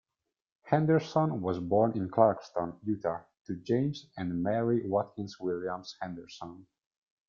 Henderson was born in Clarkston, Utah to James and Mary Watkins Williams Henderson.